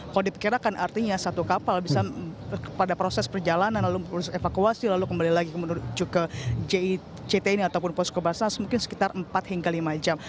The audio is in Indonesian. kalau diperkirakan artinya satu kapal bisa pada proses perjalanan lalu proses evakuasi lalu kembali lagi menuju ke jict ini ataupun posko basarnas mungkin sekitar empat hingga lima jam